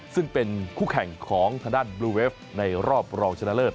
ซึ่งเป็นคู่แข่งของทางด้านบลูเวฟในรอบรองชนะเลิศ